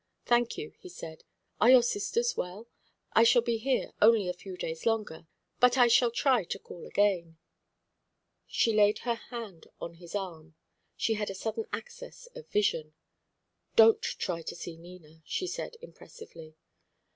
"Thank you," he said. "Are your sisters well? I shall be here only a few days longer, but I shall try to call again." She laid her hand on his arm. She had a sudden access of vision. "Don't try to see Nina," she said, impressively.